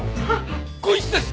こいつです！